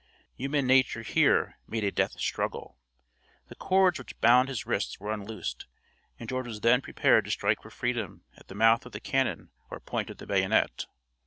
Human nature here made a death struggle; the cords which bound his wrists were unloosed, and George was then prepared to strike for freedom at the mouth of the cannon or point of the bayonet.